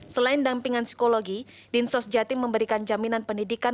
selain dampingan psikologi dinas sosial provinsi jawa timur memberikan jaminan pendidikan